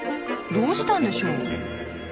どうしたんでしょう？